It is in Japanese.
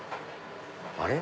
あれ？